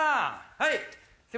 はい。